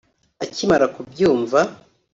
Akimara kubyumva